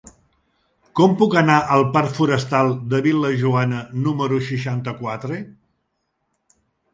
Com puc anar al parc Forestal de Vil·lajoana número seixanta-quatre?